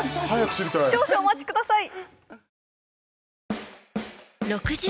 少々お待ちください